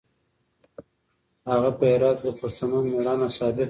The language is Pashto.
هغه په هرات کې د پښتنو مېړانه ثابته کړه.